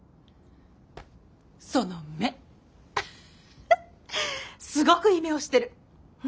その目すごくいい目をしてる。